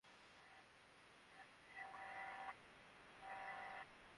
অবস্থার অবনতি হলে তাঁকে নাটোর আধুনিক সদর হাসপাতালে ভর্তি করা হয়।